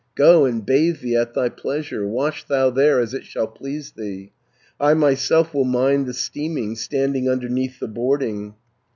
Go and bathe thee at thy pleasure, Wash thou there as it shall please thee, I myself will mind the steaming, Standing underneath the boarding.'